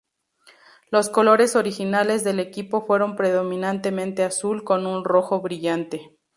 Los colores originales del equipo fueron predominantemente azul con un rojo brillante.